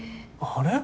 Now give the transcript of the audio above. あれ？